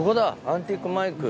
アンティークマイク。